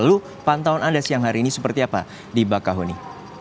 lu pantauan anda siang hari ini seperti apa di bakau huni